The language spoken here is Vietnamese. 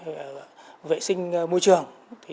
về vệ sinh môi trường